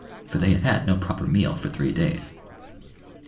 For they had had no proper meal for three days.